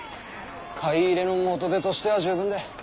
買い入れの元手としては十分だ。